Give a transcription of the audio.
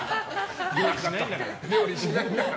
料理しないんだから。